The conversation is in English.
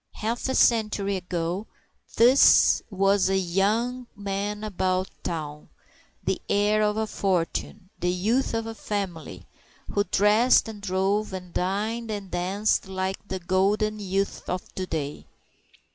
Half a century ago this was a young man about town, the heir of a fortune, a youth of "family" who dressed and drove and dined and danced like the golden youth of to day.